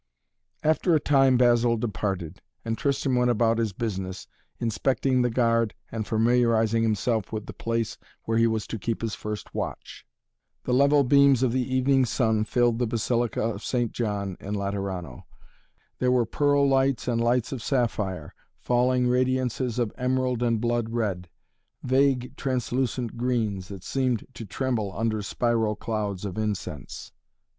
After a time Basil departed, and Tristan went about his business, inspecting the guard and familiarizing himself with the place where he was to keep his first watch. The level beams of the evening sun filled the Basilica of St. John in Laterano. There were pearl lights and lights of sapphire; falling radiances of emerald and blood red; vague translucent greens, that seemed to tremble under spiral clouds of incense.